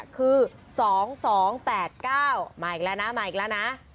คือ๒๒๘๙มาอีกแล้วนะ